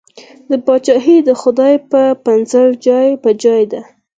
دا پاچاهي د خدای په پزل جای په جای ده.